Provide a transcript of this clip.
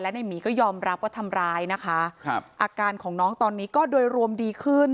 ในหมีก็ยอมรับว่าทำร้ายนะคะครับอาการของน้องตอนนี้ก็โดยรวมดีขึ้น